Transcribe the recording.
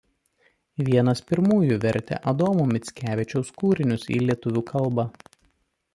Vienas pirmųjų vertė Adomo Mickevičiaus kūrinius į lietuvių kalbą.